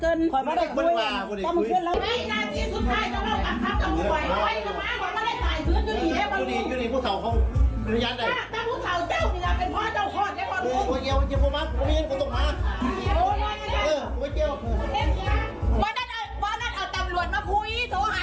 โหขอบคุณคุณคุณแม่นเดี๋ยวงิน